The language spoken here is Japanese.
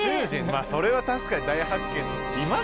まあそれは確かに大発見いますか？